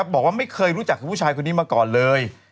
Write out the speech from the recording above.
บอกว่าไม่เคยรู้จักกับผู้ชายคนนี้มาก่อนเลย